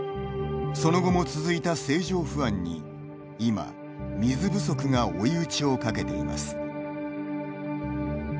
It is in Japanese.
その後も続いた政情不安に今、水不足が追い打ちをかけています。